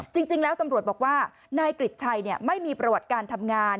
จริงแล้วตำรวจบอกว่านายกริจชัยไม่มีประวัติการทำงาน